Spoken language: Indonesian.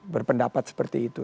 berpendapat seperti itu